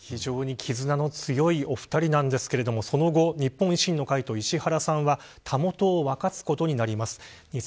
非常に絆の強いお二人なんですが、その後日本維新の会と石原さんはたもとを分かつことになります。